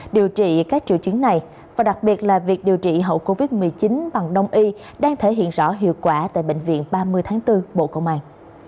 điều trị các triệu chứng này và đặc biệt là việc điều trị hậu covid một mươi chín bằng đông y đang thể hiện rõ hiệu quả tại bệnh viện ba mươi tháng bốn bộ công an